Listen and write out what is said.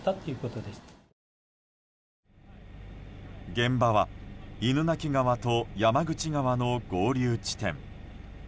現場は犬鳴川と山口川の合流地点。